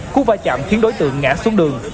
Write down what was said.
cú va chạm khiến đối tượng ngã xuống đường